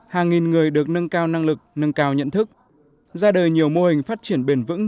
hàng nghìn người được nâng cao năng lực nâng cao nhận thức ra đời nhiều mô hình phát triển bền vững